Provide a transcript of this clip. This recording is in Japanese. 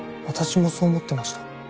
私もそう思ってました。